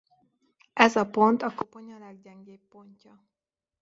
Ez a pont a koponya leggyengébb pontja.